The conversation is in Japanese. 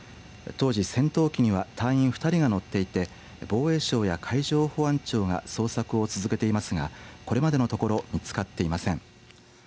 当時、戦闘機には隊員２人が乗っていて防衛省や海上保安庁が捜索を続けていますがこれまでのところ見つかっていません。